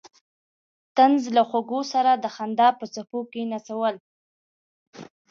د طنز له خوږو سره د خندا په څپو کې نڅول.